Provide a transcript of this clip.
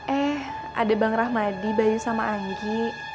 eh ada bang rahmadi bayu sama anggi